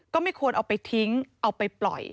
ก็ไม่ควรเอาไปทิ้งเอาไปปล่อย